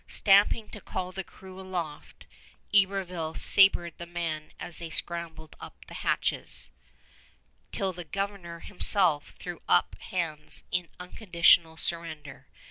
Stamping to call the crew aloft, Iberville sabered the men as they scrambled up the hatches, till the Governor himself threw up hands in unconditional surrender.